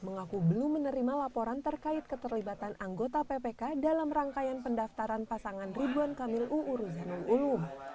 mengaku belum menerima laporan terkait keterlibatan anggota ppk dalam rangkaian pendaftaran pasangan ridwan kamil uu ruzanul ulum